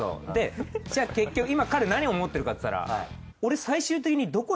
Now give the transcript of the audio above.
結局今彼何を持ってるかっていったら。